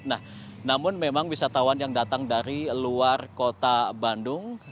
nah namun memang wisatawan yang datang dari luar kota bandung